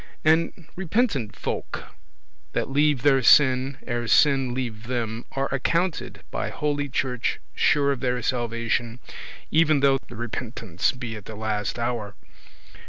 And repentant folk that leave their sin ere sin leave them, are accounted by Holy Church sure of their salvation, even though the repentance be at the last hour.